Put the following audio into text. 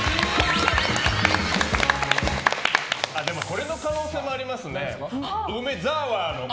これの可能性もありますね。